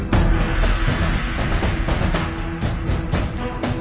ถักกันเหมือนกัน